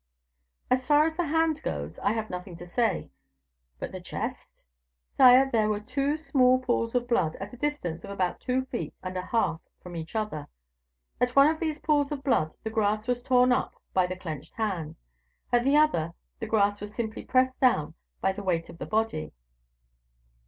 "As far as the hand goes, I have nothing to say; but the chest?" "Sire, there were two small pools of blood, at a distance of about two feet and a half from each other. At one of these pools of blood the grass was torn up by the clenched hand; at the other, the grass was simply pressed down by the weight of the body."